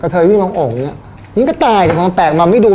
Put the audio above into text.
กระเทยวิ่งลองโอ๋งเนี่ยยิงก็ตายแต่มันแปลกมันไม่ดู